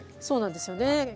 そうなんですよね。